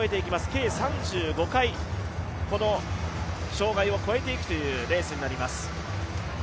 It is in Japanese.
計３５回、障害を越えていくというレースになります。